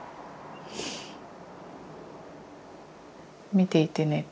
見ていてね。